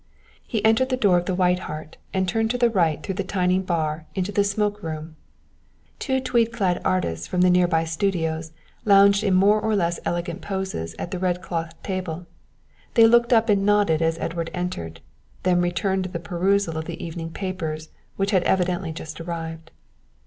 He entered the door of the White Hart and turned to the right through the tiny bar into the smoke room. Two tweed clad artists from the near by studios lounged in more or less elegant poses at the red clothed table, they looked up and nodded as Edward entered, then returned to the perusal of the evening papers which had evidently just arrived.